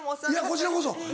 こちらこそ。